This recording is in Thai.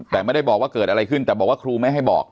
แต่ไม่ได้บอกว่าเกิดอะไรขึ้นแต่บอกว่าครูไม่ให้บอก